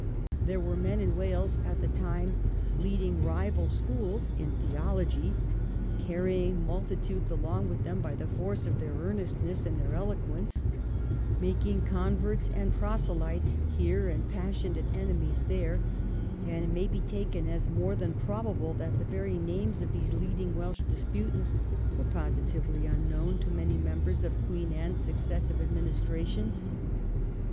There were men in Wales at the time leading rival schools in theology, carrying multitudes along with them by the force of their earnestness and their eloquence, making converts and proselytes here and passionate enemies there ; and it may be taken as more than probable that the very names of these leading Welsh disputants were positively unknown to many members of Queen Anne's successive ad ministrations.